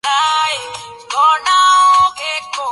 Siku ya Jumatatu uamuzi wa korti ulipeana haki ya matumizi kwa